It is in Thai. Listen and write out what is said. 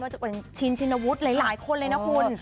จะเป็นชินชินวุฒิหลายคนเลยนะคุณ